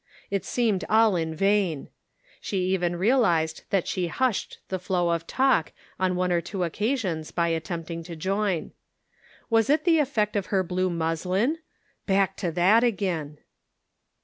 It seemed all in vain ; she even realized that she hushed the flow of talk on one or two occasions by attempting to join. Was it the effect of her blue muslin ? Back to that again